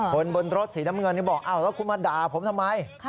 บนรถสีน้ำเงินนี่บอกอ้าวแล้วคุณมาด่าผมทำไม